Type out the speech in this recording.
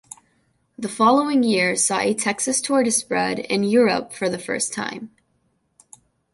The following year saw a Texas tortoise bred in Europe for the first time.